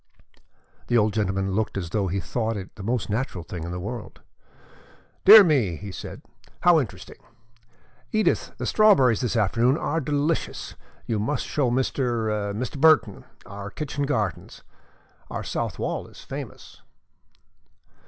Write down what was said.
The old gentleman looked as though he thought it the most natural thing in the world. "Dear me," he said, "how interesting! Edith, the strawberries this afternoon are delicious. You must show Mr. Mr. Burton our kitchen gardens. Our south wall is famous."